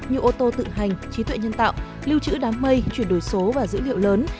như ô tô tự hành trí tuệ nhân tạo lưu trữ đám mây chuyển đổi số và dữ liệu lớn